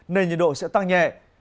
nền nhiệt độ sẽ tăng nhẹ